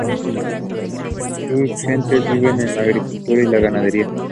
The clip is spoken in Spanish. Sus gentes viven de la agricultura y la ganadería.